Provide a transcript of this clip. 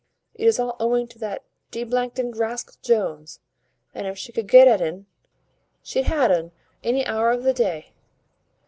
It is all owing to that d n'd rascal Jones; and if she could get at un, she'd ha un any hour of the day."